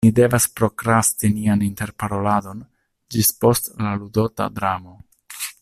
Ni devas prokrasti nian interparoladon ĝis post la ludota dramo.